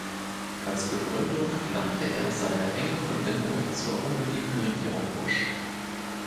Als Begründung nannte er seine engen Verbindungen zur unbeliebten Regierung Bush.